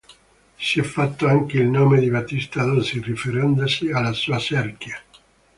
Si è fatto anche il nome di Battista Dossi, riferendosi alla sua cerchia.